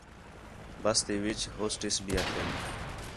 بس تی وِِچ ہوسٹس بھی ہتھے